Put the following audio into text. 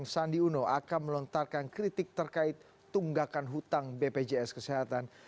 sandi uno akan melontarkan kritik terkait tunggakan hutang bpjs kesehatan